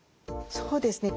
そうですね。